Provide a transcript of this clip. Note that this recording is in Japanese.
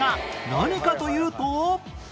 何かというと